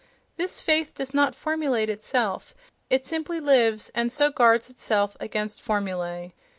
This faith does not formulate itself—it simply lives, and so guards itself against formulae.